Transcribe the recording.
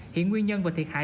hiện nguyên nhân và thiệt hại